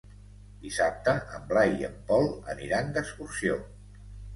Dissabte en Blai i en Pol aniran d'excursió.